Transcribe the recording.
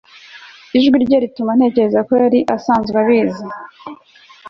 Ijwi rye rituma ntekereza ko yari asanzwe abizi